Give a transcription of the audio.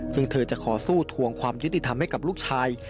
ซึ่งเธอจะขอสู้ทวงความยุติธรรมให้กับลูกชาย